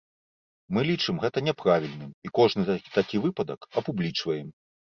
Мы лічым гэта няправільным і кожны такі выпадак апублічваем.